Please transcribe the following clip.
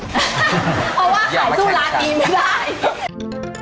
เพราะว่าขายสู้ร้านนี้ไม่ได้